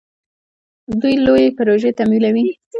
دوی لویې پروژې تمویلوي.